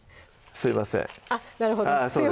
すいません